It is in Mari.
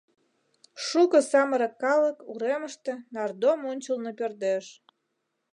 Шуко самырык калык уремыште нардом ончылно пӧрдеш.